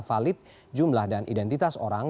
valid jumlah dan identitas orang